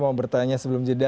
mau bertanya sebelum jeda